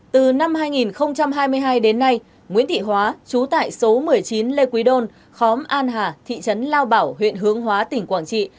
từ năm hai nghìn hai mươi hai đến nay nguyễn thị hóa trú tại số một mươi chín lê quý đôn khóm an hà thị trấn lao bảo huyện hướng hóa tỉnh quảng trị